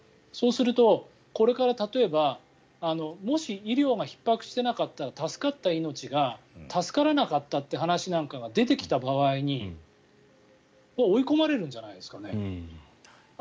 そうするとこれから例えばもし、医療がひっ迫していなかったら助かった命が助からなかったという話が出てきた場合に追い込まれるんじゃないですかね。